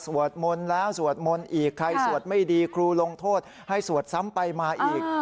มนต์แล้วสวดมนต์อีกใครสวดไม่ดีครูลงโทษให้สวดซ้ำไปมาอีก